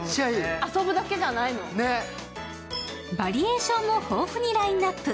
バリエーションも豊富にラインナップ。